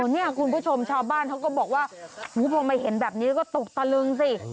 เนี่ยคุณผู้ชมชาวบ้านเขาก็บอกว่าพอมาเห็นแบบนี้แล้วก็ตกตะลึงสิ